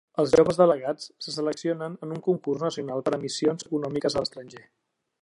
Els joves delegats se seleccionen en un concurs nacional per a missions econòmiques a l'estranger.